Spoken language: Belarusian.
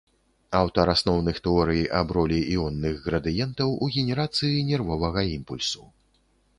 Аўтар асноўных тэорый аб ролі іонных градыентаў у генерацыі нервовага імпульсу.